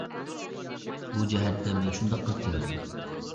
بۇ جەھەتتە مەن شۇنداق قىلىپ كەلدىم.